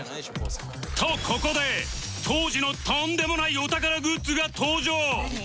とここで当時のとんでもないお宝グッズが登場！